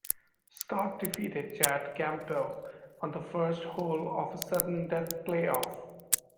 Scott defeated Chad Campbell on the first hole of a sudden-death playoff.